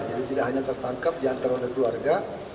jadi tidak hanya tertangkap diantar oleh keluarga